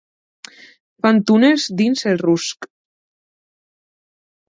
Fan túnels dins el rusc.